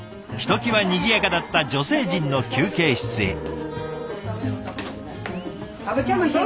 ひときわにぎやかだった女性陣の休憩室へ。